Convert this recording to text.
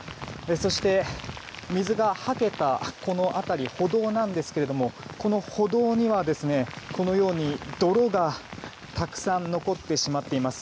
そして水がはけたこの辺り歩道なんですけどこの歩道にはこのように泥がたくさん残ってしまっています。